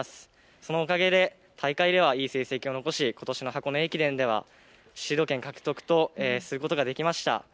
そのおかげで大会ではいい成績を残しことしの箱根駅伝ではシード権獲得をすることができました。